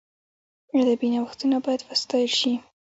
ادبي نوښتونه باید وستایل سي.